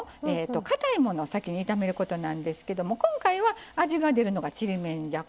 かたいものを先に炒めることなんですけども今回は味が出るのがちりめんじゃこ。